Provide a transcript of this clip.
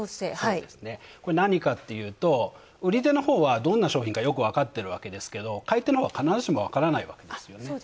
何かっていうと、売り手のほうはどんな商品か分かってるわけですけど、買い手のほうは必ずしも分からないわけですよね。